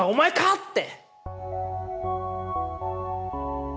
って